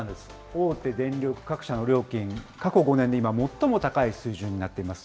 大手電力各社の料金、過去５年で今、最も高い水準になっています。